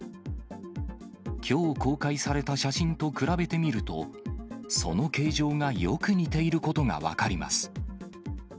きょう公開された写真と比べてみると、その形状がよく似ていることが分かります。